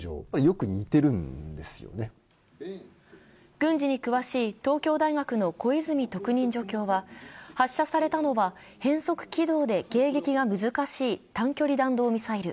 軍事に詳しい東京大学の小泉特任助教は発射されたのは変則軌道で迎撃が難しい短距離弾道ミサイル。